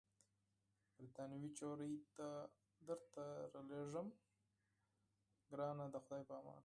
بریتانوۍ نجلۍ دي درته رالېږم، ګرانه د خدای په امان.